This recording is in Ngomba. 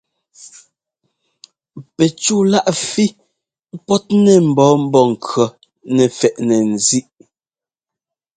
Pɛcúláꞌ fí pɔ́tnɛ mbɔ̌ Mbɔ́ŋkʉɔ́ nɛ fɛ́ꞌnɛ ńzíꞌ.